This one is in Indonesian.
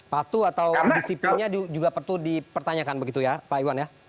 patuh atau disiplinnya juga perlu dipertanyakan begitu ya pak iwan ya